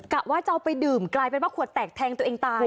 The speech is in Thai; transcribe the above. ว่าจะเอาไปดื่มกลายเป็นว่าขวดแตกแทงตัวเองตาย